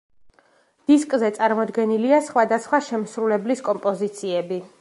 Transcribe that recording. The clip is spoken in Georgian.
დისკზე წარმოდგენილია სხვადასხვა შემსრულებლის კომპოზიციები.